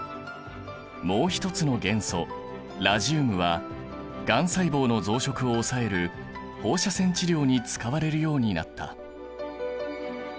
もう一つの元素ラジウムはがん細胞の増殖を抑える放射線治療に使われるようになった。